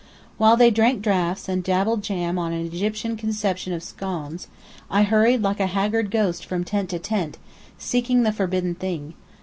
While they drank draughts and dabbed jam on an Egyptian conception of scones, I hurried like a haggard ghost from tent to tent, seeking the forbidden thing.